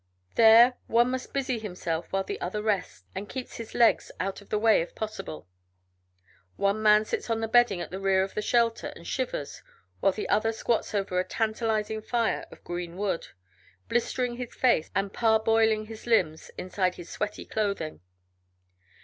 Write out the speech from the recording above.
There one must busy himself while the other rests and keeps his legs out of the way if possible. One man sits on the bedding at the rear of the shelter, and shivers, while the other squats over a tantalizing fire of green wood, blistering his face and parboiling his limbs inside his sweaty clothing.